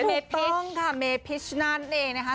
ผู้ถูกต้องค่ะเม่พีชนั่นเองนะครับ